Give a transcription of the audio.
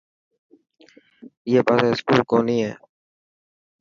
اڻي پاسي اسڪول ڪوني هي.